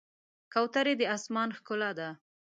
کوترې د آسمان ښکلا ده.